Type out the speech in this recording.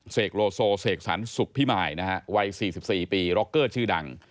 โลโซเสกสรรสุขพิมายนะฮะวัย๔๔ปีร็อกเกอร์ชื่อดัง